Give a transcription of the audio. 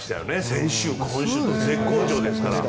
先週、今週と絶好調ですから。